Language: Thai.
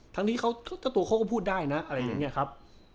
เจ้าตัวเขาก็พูดได้นะอะไรอย่างนี้ครับ